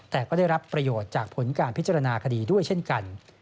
แต่ก็ได้รับประโยชน์จากผลการพิจารณาคดีด้วยเช่นกัน